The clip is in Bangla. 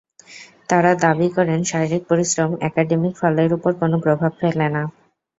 তাঁরা দাবি করেন, শারীরিক পরিশ্রম অ্যাকাডেমিক ফলের ওপর কোনো প্রভাব ফেলে না।